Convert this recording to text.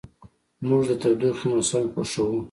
موږ د تودوخې موسم خوښوو.